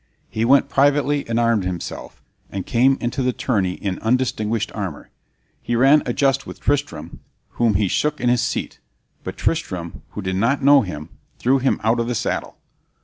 He went privately and armed himself, and came into the tourney in undistinguished armor. He ran a just with Tristram, whom he shook in his seat; but Tristram, who did not know him, threw him out of the saddle.